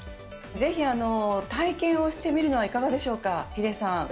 ぜひ、体験をしてみるのはいかがでしょうか、ヒデさん。